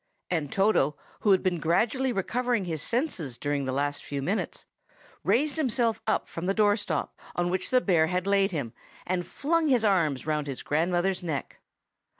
And Toto, who had been gradually recovering his senses during the last few minutes, raised himself from the doorstep on which the bear had laid him, and flung his arms round his grandmother's neck.